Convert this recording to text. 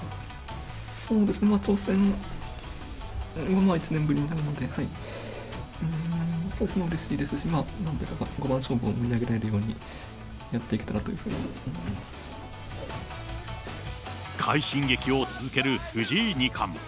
まあ、挑戦は１年ぶりになるので、うれしいですし、なんとか五番勝負を盛り上げられるようにやっていけたらというふ快進撃を続ける藤井二冠。